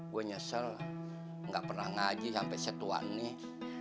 gue nyesel gak pernah ngaji sampe setuan nih